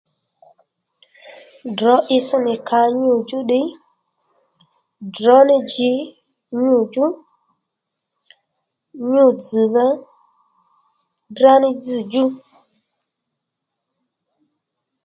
Drǒ itsś nì ka nyû djú ddiy drǒ ní dji nyû djú nyû dzz̀dha drá ní dzẑ djú